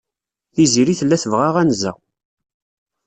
Tiziri tella tebɣa anza.